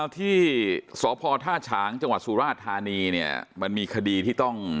ที่สพท่าฉางจังหวัดสุราชธานีเนี่ยมันมีคดีที่ต้อง